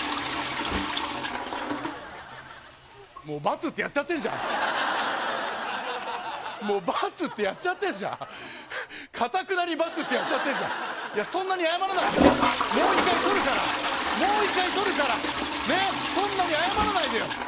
もうバツってやっちゃってんじゃんもうバツってやっちゃってんじゃんかたくなにバツってやっちゃってんじゃんそんなに謝らないでもう一回録るからもう一回録るからねっそんなに謝らないでよ